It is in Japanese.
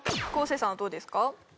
昴生さんはどうですか？